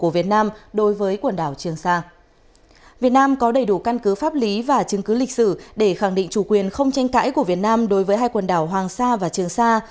việt nam có đầy đủ căn cứ pháp lý và chứng cứ lịch sử để khẳng định chủ quyền không tranh cãi của việt nam đối với hai quần đảo hoàng sa và trường sa